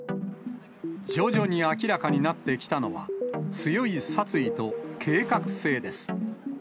徐々に明らかになってきたのは、強い殺意と計画性です。